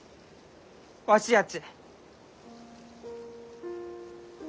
わしやち。